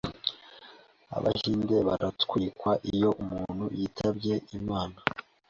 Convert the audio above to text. abahinde baratwikwa iyo umuntu yitabye Imana.